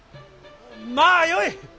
まあよい。